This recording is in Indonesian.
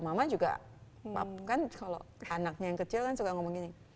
mama juga kan kalau anaknya yang kecil kan suka ngomong ini